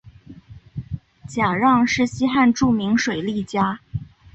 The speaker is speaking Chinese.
贾让是西汉著名水利家。